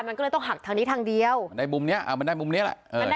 มันก็เลยต้องหักทางนี้ทางเดียวในมุมเนี้ยอ่ามันได้มุมนี้แหละ